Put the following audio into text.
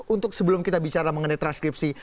untuk sebelum kita bicara mengenai transkripsi